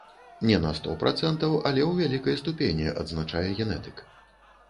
Не на сто працэнтаў, але ў вялікай ступені, адзначае генетык.